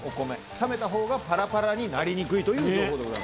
冷めたほうがパラパラになりにくいという情報でございました。